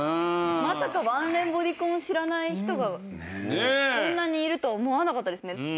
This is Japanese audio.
まさかワンレンボディコン知らない人がこんなにいると思わなかったですね。